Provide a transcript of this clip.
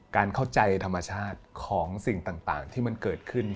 การเข้าใจธรรมชาติของสิ่งต่างที่มันเกิดขึ้น